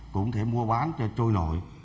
cũng có thể mua bán cho trôi nổi